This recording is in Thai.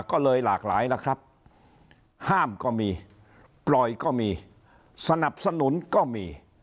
ก็เลยหลากหลายแล้วครับห้ามก็มีปล่อยก็มีสนับสนุนก็มี